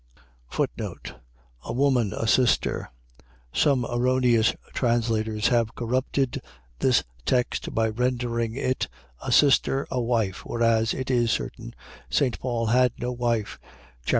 A woman, a sister. . .Some erroneous translators have corrupted this text by rendering it, a sister, a wife: whereas, it is certain, St. Paul had no wife (chap.